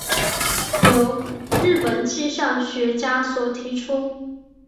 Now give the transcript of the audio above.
由日本气象学家所提出。